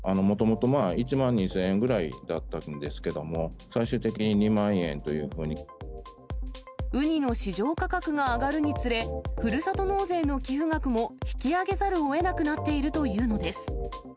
もともと１万２０００円ぐらいだったんですけれども、最終的に２ウニの市場価格が上がるにつれ、ふるさと納税の寄付額も引き上げざるをえなくなっているというのです。